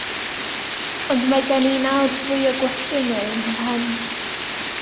Ond mae gen i nawr fwy o gwestiynau yn fy mhen.